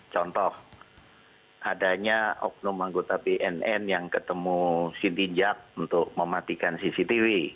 contoh adanya oknum anggota bnn yang ketemu sinti jat untuk memaksa